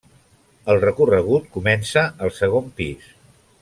El recorregut comença al segon pis.